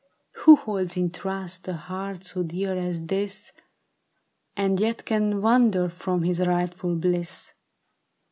Who holds in trust a heart so dear as this, And yet can wander from his rightful bliss